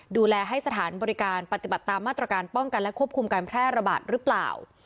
ดูแลให้สถานบริการปฏิบัติตามมาตรการป้องกันและควบคุมการแพร่ระบาดหรือเปล่า